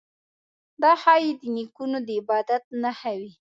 دا ښايي د نیکونو د عبادت نښه وي.